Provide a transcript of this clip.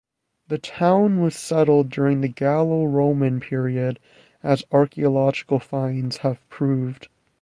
The town was settled during the Gallo-Roman period, as archaeological finds have proved.